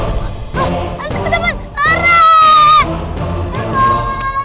ketika dia menangis dia menangis